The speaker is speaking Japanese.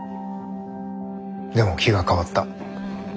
でも気が変わった。